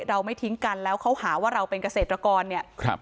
เราไม่ทิ้งกันแล้วเขาหาว่าเราเป็นเกษตรกรเนี่ยครับ